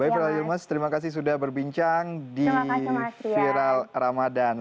baik ferdal yilmaz terima kasih sudah berbincang di viral ramadhan